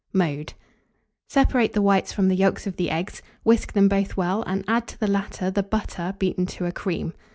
Mode. Separate the whites from the yolks of the eggs; whisk them both well, and add to the latter the butter beaten to a cream.